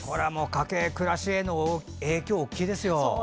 家計、暮らしへの影響大きいですよ。